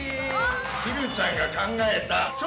ひるちゃんが考えた超